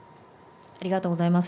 ありがとうございます。